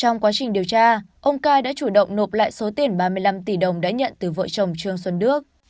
trong quá trình điều tra ông cai đã chủ động nộp lại số tiền ba mươi năm tỷ đồng đã nhận từ vợ chồng trương xuân đức